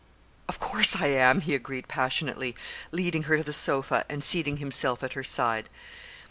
"Of course I am," he agreed passionately, leading her to the sofa, and seating himself at her side.